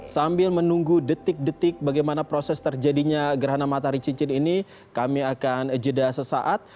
sambil menunggu detik detik bagaimana proses terjadinya gerhana matahari cincin ini kami akan jeda sesaat